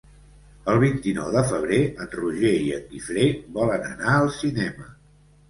El vint-i-nou de febrer en Roger i en Guifré volen anar al cinema.